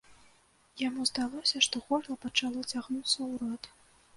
Яму здалося, што горла пачало цягнуцца ў рот.